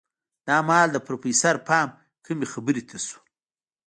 دا مهال د پروفيسر پام کومې خبرې ته شو.